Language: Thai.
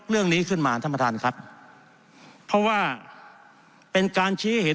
เรื่องนี้ขึ้นมาท่านประธานครับเพราะว่าเป็นการชี้เห็น